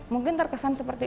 mungkin terkesan seperti